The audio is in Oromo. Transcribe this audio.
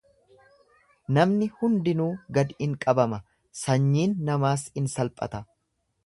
Namni hundinuu gad in qabama, sanyiin namaas in salphata.